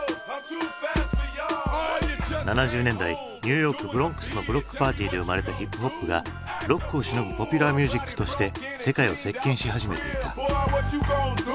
７０年代ニューヨークブロンクスのブロックパーティーで生まれたヒップホップがロックをしのぐポピュラーミュージックとして世界を席けんし始めていた。